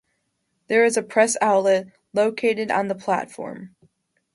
There is a press outlet located on the platform.